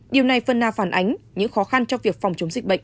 điều này phân na phản ánh những khó khăn trong việc phòng chống dịch bệnh